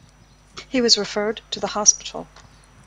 He was referred to the hospital.